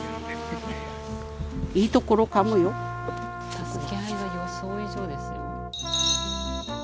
助け合いが予想以上ですよ。